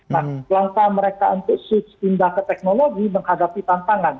nah langkah mereka untuk switch pindah ke teknologi menghadapi tantangan